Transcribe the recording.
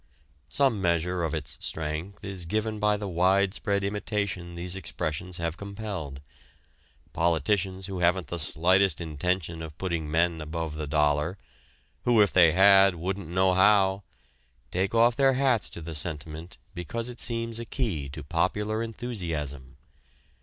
Some measure of its strength is given by the widespread imitation these expressions have compelled: politicians who haven't the slightest intention of putting men above the dollar, who if they had wouldn't know how, take off their hats to the sentiment because it seems a key to popular enthusiasm.